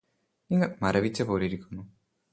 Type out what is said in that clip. നിങ്ങള് മരവിച്ച പോലിരിക്കുന്നു